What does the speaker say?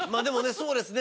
そうですね